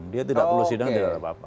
dia tidak perlu sidang tidak ada apa apa